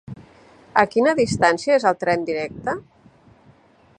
A quina distància és el tren directe?